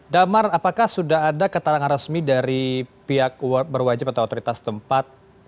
damar apakah sudah ada keterangan resmi dari pihak berwajib atau otoritas tempat